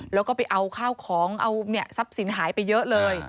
แล้วก็ไปเอาข้าวของเอาทรัพย์สินหายไปเยอะเลย